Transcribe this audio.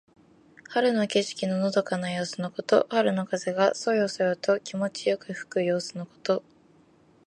春の景色ののどかな様子のこと。春の風がそよそよと気持ちよく吹く様子のこと。